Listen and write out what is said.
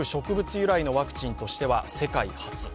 由来のワクチンとしては世界初。